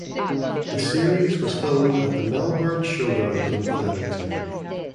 The series was filmed at the Melbourne Showgrounds in Flemington.